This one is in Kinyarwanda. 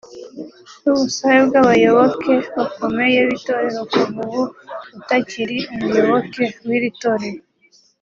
n’ubusabe bw’abayoboke bakomeye b’itorero kuva ubu utakiri umuyoboke w’iri torero